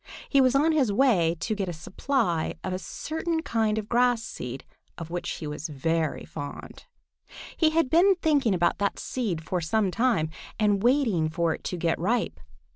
He was on his way to get a supply of a certain kind of grass seed of which he is very fond. He had been thinking about that seed for some time and waiting for it to get ripe.